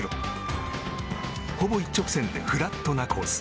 ほぼ一直線でフラットなコース。